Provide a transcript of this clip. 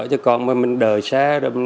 chứ còn mình đời xa